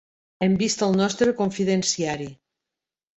Hem vist el nostre confidenciari.